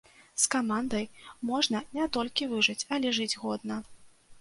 З камандай можна не толькі выжыць, але жыць годна.